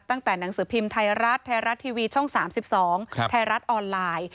หนังสือพิมพ์ไทยรัฐไทยรัฐทีวีช่อง๓๒ไทยรัฐออนไลน์